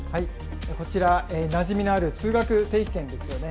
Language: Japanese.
こちら、なじみのある通学定期券ですよね。